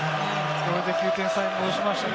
これで９点差に戻しましたね。